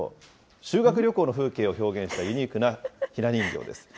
修学旅行の風景を表現したユニークなひな人形です。